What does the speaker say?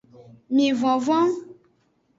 Mi vonvon.